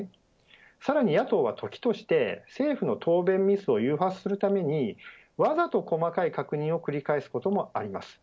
さらに野党は、時として政府の答弁ミスを誘発するためにわざと細かい確認を繰り返すこともあります。